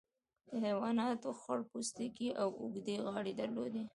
حیواناتو خړ پوستکي او اوږدې غاړې درلودې.